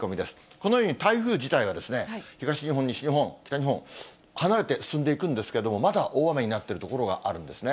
このように台風自体は、東日本、西日本、北日本、離れて進んでいくんですけれども、まだ大雨になっている所があるんですね。